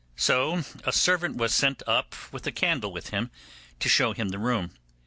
So a servant was sent up with a candle with him to show him the room.